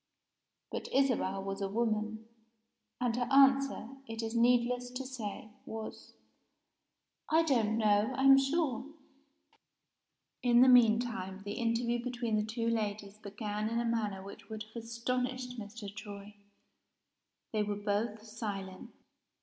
But Isabel was a woman; and her answer, it is needless to say, was "I don't know, I'm sure." In the mean time, the interview between the two ladies began in a manner which would have astonished Mr. Troy they were both silent.